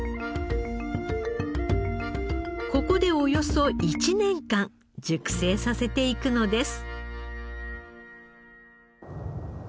ここでおよそ１年間熟成させていくのです。